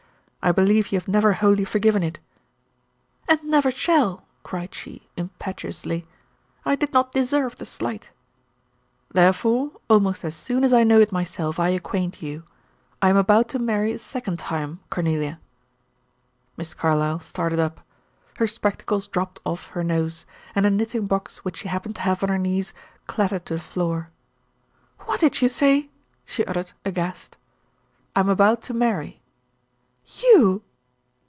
I believe you have never wholly forgiven it." "And never shall," cried she, impetuously. "I did not deserve the slight." "Therefore, almost as soon as I know it myself, I acquaint you. I am about to marry a second time, Cornelia." Miss Carlyle started up. Her spectacles dropped off her nose, and a knitting box which she happened to have on her knees, clattered to the floor. "What did you say?" she uttered, aghast. "I'm about to marry." "You!"